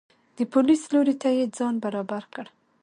د پولیس لوري ته یې ځان برابر کړ.